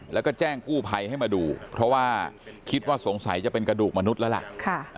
แล้วก็แจ้งกู้ภัยให้มาดูเพราะว่าคิดว่าสงสัยจะเป็นกระดูกมนุษย์แล้วล่ะ